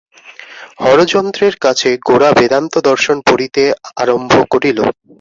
হরচন্দ্রের কাছে গোরা বেদান্তদর্শন পড়িতে আরম্ভ করিল।